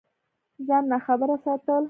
ځان ناخبره ساتل